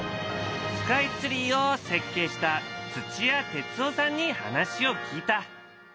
スカイツリーを設計した土屋哲夫さんに話を聞いた。